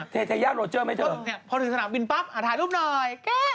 เทเทยาโลเจอร์ไหมเถอะพอถึงสนามบินปั๊บถ่ายรูปหน่อย